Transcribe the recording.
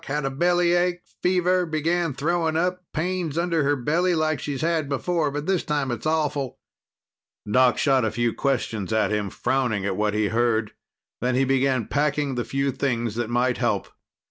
Had a bellyache, fever, began throwing up. Pains under her belly, like she's had before. But this time it's awful." Doc shot a few questions at him, frowning at what he heard. Then he began packing the few things that might help.